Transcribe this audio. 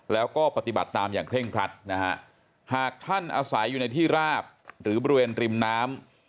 แล้วก็ปฏิบัติตามอย่างเคร่งครัดนะฮะหากท่านอาศัยอยู่ในที่ราบหรือบริเวณริมน้ำ